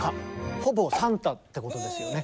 ほぼサンタってことですよね？